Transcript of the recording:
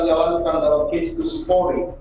jalankan dalam kisah polri